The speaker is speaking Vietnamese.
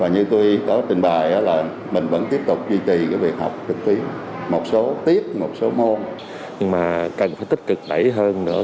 nhưng mà cần phải tích cực đẩy hơn nữa